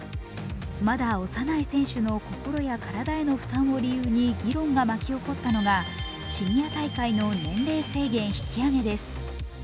まだ幼い選手の心や体への負担を理由に議論が巻き起こったのがシニア大会の年齢制限引き揚げです。